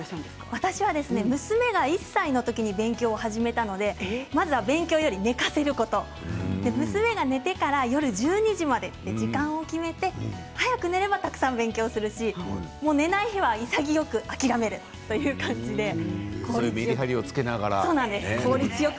私は娘が１歳のときに受験勉強を始めたのでまずは勉強より寝かせること娘が寝てから、夜１２時まで時間を決めて早く寝ればたくさん勉強するし寝ない日は潔く諦めるという感じで効率よく。